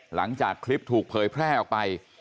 หลังจากคลิปถูกเผยแพร่ออกไป